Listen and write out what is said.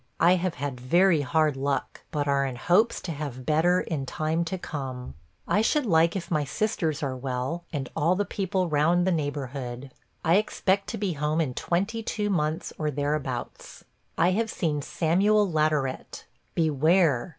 I have had very hard luck, but are in hopes to have better in time to come. I should like if my sisters are well, and all the people round the neighborhood. I expect to be home in twenty two months or thereabouts. I have seen Samuel Laterett. Beware!